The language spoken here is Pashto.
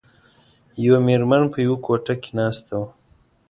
یوه میرمن په یوه کوټه کې ناسته وه.